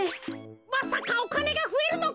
まさかおかねがふえるのか？